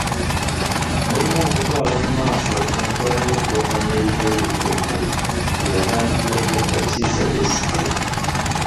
Mulimu okutwala mu maaso enkola y'okuwakanya ebitali bituffu eyatandikibwa Dokita Kizza Besigye.